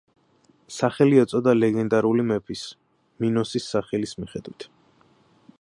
სახელი ეწოდა ლეგენდარული მეფის, მინოსის სახელის მიხედვით.